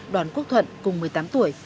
đoàn quốc thuận cùng một mươi tám tuổi